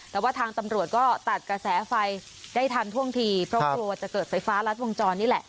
แต่ว่าทางตำรวจก็ตัดกระแสไฟได้ทันท่วงทีเพราะกลัวจะเกิดไฟฟ้ารัดวงจรนี่แหละ